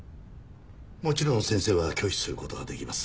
もちろん先生は拒否する事ができます。